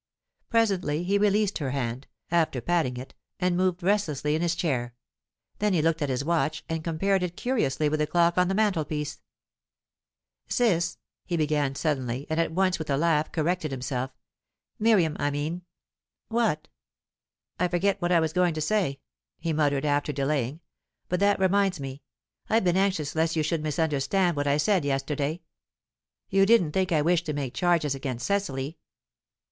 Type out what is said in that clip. Presently he released her hand, after patting it, and moved restlessly in his chair; then he looked at his watch, and compared it curiously with the clock on the mantelpiece. "Ciss," he began suddenly, and at once with a laugh corrected himself "Miriam, I mean." "What?" "I forget what I was going to say," he muttered, after delaying. "But that reminds me; I've been anxious lest you should misunderstand what I said yesterday. You didn't think I wished to make charges against Cecily?"